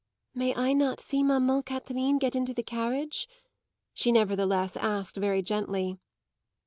"May I not see mamman Catherine get into the carriage?" she nevertheless asked very gently.